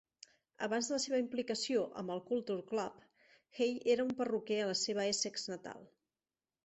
Abans de la seva implicació amb Culture Club, Hay era perruquer a la seva Essex natal.